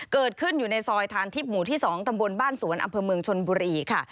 อยู่ในซอยทานทิพย์หมู่ที่๒ตำบลบ้านสวนอำเภอเมืองชนบุรีค่ะ